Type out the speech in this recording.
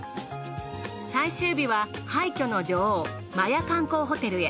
最終日は廃墟の女王摩耶観光ホテルへ。